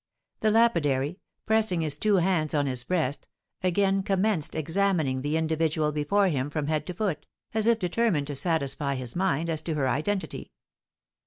'" The lapidary, pressing his two hands on his breast, again commenced examining the individual before him from head to foot, as if determined to satisfy his mind as to her identity.